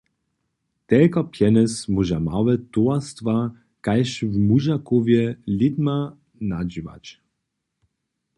Telko pjenjez móža małe towarstwa kaž w Mužakowje lědma nadźěłać.